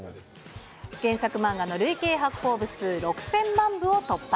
原作漫画の累計発行部数、６０００万部を突破。